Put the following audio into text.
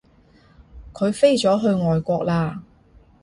佢飛咗去外國喇